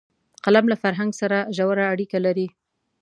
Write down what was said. قلم له فرهنګ سره ژوره اړیکه لري